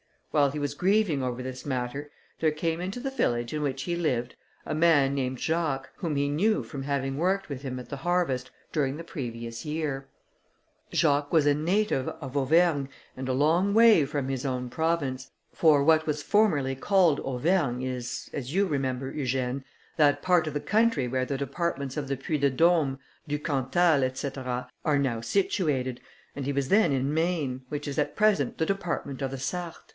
While he was grieving over this matter, there came into the village in which he lived a man named Jacques, whom he knew from having worked with him at the harvest, during the previous year. Jacques was a native of Auvergne, and a long way from his own province, for what was formerly called Auvergne, is, as you remember, Eugène, that part of the country where the departments of the Puy de Dôme, du Cantal, &c., are now situated, and he was then in Maine, which is at present the department of the Sarthe.